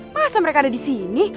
masa mereka ada disini